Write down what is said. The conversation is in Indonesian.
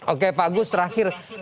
oke bagus terakhir